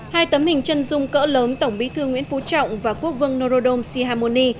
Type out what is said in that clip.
hai tấm hình chân dung cỡ lớn tổng bí thư nguyễn phú trọng và quốc vương norodom sihamoni